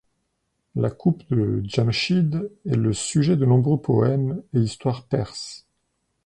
La coupe de Djamchid est le sujet de nombreux poèmes et histoires perses.